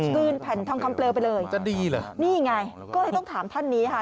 คืนแผ่นทองคำเปลวไปเลยจะดีเหรอนี่ไงก็เลยต้องถามท่านนี้ค่ะ